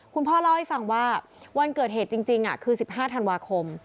คุณพ่อเล่าให้ฟังว่าวันเกิดเหตุจริงคือ๑๕ธันวาคม